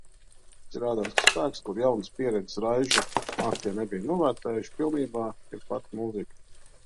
Izrādās, ka spēks, kuru jaunas pieredzes raižu māktie nebija novērtējuši pilnībā, ir pati mūzika.